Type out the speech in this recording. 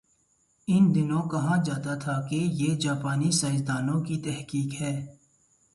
ان دنوں کہا جاتا تھا کہ یہ جاپانی سائنس دانوں کی تحقیق ہے۔